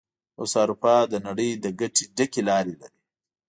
اوس اروپا د نړۍ د ګټه ډکې لارې لري.